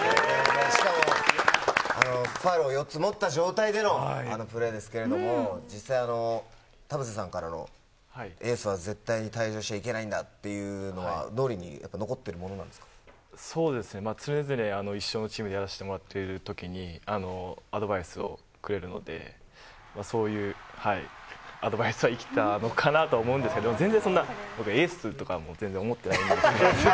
しかもファウルを４つ持った状態でのあのプレーですけれども、実際、田臥さんからのエースは絶対に退場しちゃいけないんだっていうのは、そうですね、常々、一緒のチームでやらしてもらっているときに、アドバイスをくれるので、そういうアドバイスは生きたのかなと思うんですけど、全然そんな、エースとか、全然思ってないんですけど。